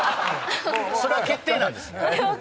それは決定なんですね？